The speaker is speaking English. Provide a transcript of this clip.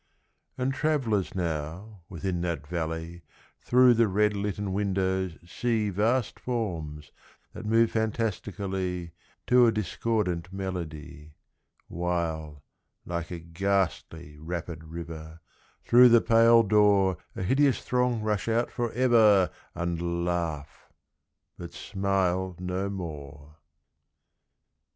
And travellers, now, within that valley, Through the red litten windows see Vast forms, that move fantastically To a discordant melody, While, like a ghastly rapid river, Through the pale door A hideous throng rush out forever And laugh but smile no more.